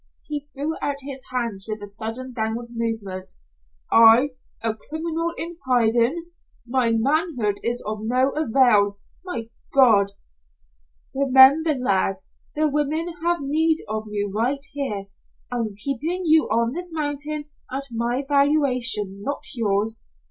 He threw out his hands with a sudden downward movement. "I, a criminal in hiding! My manhood is of no avail! My God!" "Remember, lad, the women have need of you right here. I'm keeping you on this mountain at my valuation, not yours.